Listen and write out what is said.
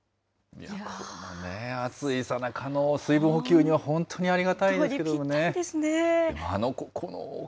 いやー、暑いさなかの水分補給には本当にありがたいですけど本当にぴったりですね。